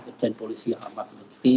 urjan polisi yang amat mumpi